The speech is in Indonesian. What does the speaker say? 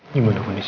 aku bersyukur mas